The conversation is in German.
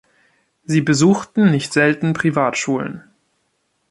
Sie besuchten nicht selten Privatschulen.